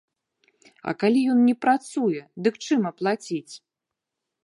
А калі ён не працуе, дык, чым аплаціць?